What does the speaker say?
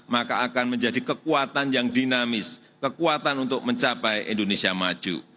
maka akan menjadi kekuatan yang dinamis kekuatan untuk mencapai indonesia maju